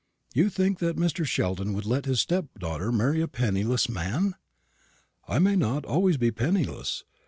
"You think that Mr. Sheldon would let his stepdaughter marry a penniless man?" "I may not always be penniless.